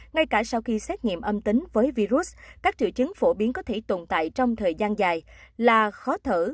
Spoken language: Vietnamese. ngay cả sau khi xét nghiệm âm tính với virus các triệu chứng phổ biến có thể tồn tại trong thời gian dài là khó thở